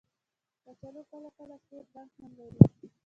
کچالو کله کله سور رنګ هم لري